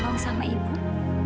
ibu tidak bisa menangani saya